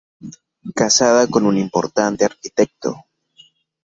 Casada con un importante arquitecto.